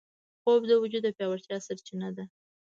خوب د وجود د پیاوړتیا سرچینه ده